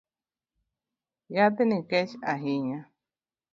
Yadhni kech ahinya